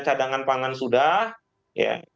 cadangan pangan sudah ya